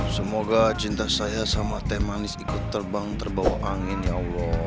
semoga cinta saya sama teh manis ikut terbang terbawa angin ya allah